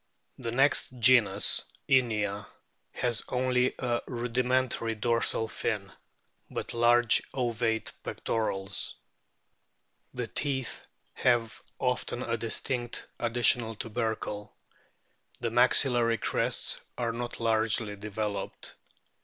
The next genus, INIA, has only a rudimentary dorsal fin, but large ovate pectorals. The teeth have often a distinct additional tubercle. The maxillary crests are not largely developed.